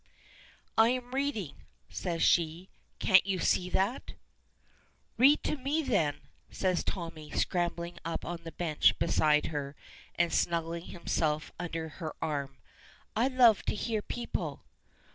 "I am reading," says she. "Can't you see that?" "Read to me, then," says Tommy, scrambling up on the bench beside her and snuggling himself under her arm. "I love to hear people."